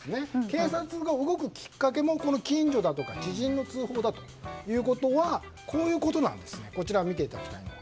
警察が動くきっかけも近所だとか知人の通報だということはこういうことなんです。